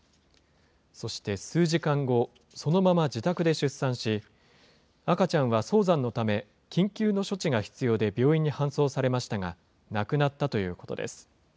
そして数時間後、そのまま自宅で出産し、赤ちゃんは早産のため、緊急の処置が必要で病院に搬送されましたが、亡くなったということです。